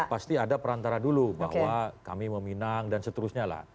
pasti ada perantara dulu bahwa kami meminang dan seterusnya lah